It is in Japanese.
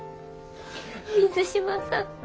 水島さん。